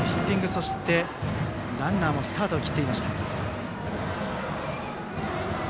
そして、ランナーもスタートを切っていました。